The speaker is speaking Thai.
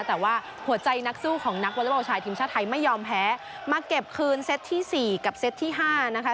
แต่ว่าหัวใจนักสู้ของนักวอเล็กบอลชายทีมชาติไทยไม่ยอมแพ้มาเก็บคืนเซตที่๔กับเซตที่๕นะคะ